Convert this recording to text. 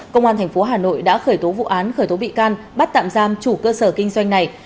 công an tp hà nội đã khởi tố vụ án khởi tố bị can bắt tạm giam chủ cơ sở kinh doanh này